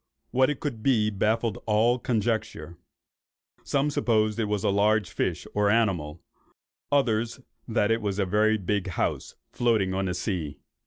What it could be, baffled all conjecture. Some supposed it to be a large fish or animal, others that it was a very big house, floating on the sea.